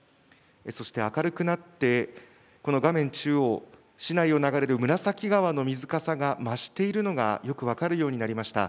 そして明るくなって、この画面中央、市内を流れる紫川の水かさが増しているのがよく分かるようになりました。